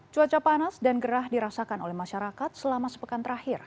cuaca panas dan gerah dirasakan oleh masyarakat selama sepekan terakhir